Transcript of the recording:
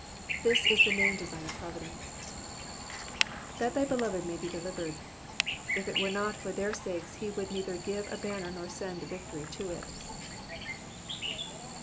This is the main design of providence, ''^That thy beloved may be delivered;'''* if it were not for their sakes he would neither give a banner nor send victory to it.